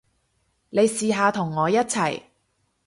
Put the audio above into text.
你試下同我一齊